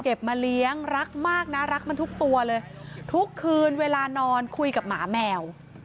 มาเลี้ยงรักมากนะรักมันทุกตัวเลยทุกคืนเวลานอนคุยกับหมาแมว